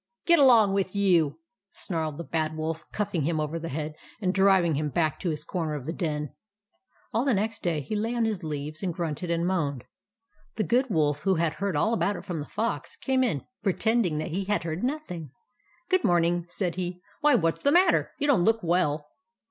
" Get along with you !" snarled the Bad Wolf, cuffing him over the head, and driv ing him back to his corner of the den. All the next day he lay on his leaves and grunted and moaned. The Good Wolf, who 140 THE ADVENTURES OF MABEL had heard all about it from the Fox, came in, pretending that he had heard nothing. " Good morning," said he. " Why, what 's the matter ? You don't look well."